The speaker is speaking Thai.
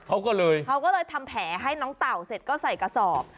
เขาก็เลยเขาก็เลยทำแผลให้น้องเต่าเสร็จก็ใส่กระสอบ